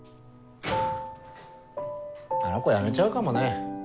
あの子辞めちゃうかもね。